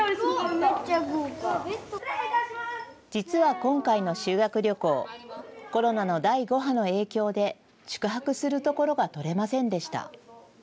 今回の修学旅行、コロナの第５波の影響で宿泊するところが取れませんでした。